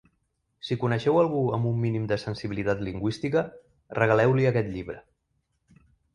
Si coneixeu algú amb un mínim de sensibilitat lingüística, regaleu-li aquest llibre.